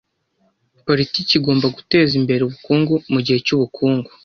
Politiki igomba guteza imbere ubukungu mu gihe cy’ubukungu.